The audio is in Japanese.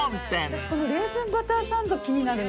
私このレーズンバターサンド気になるんだけど。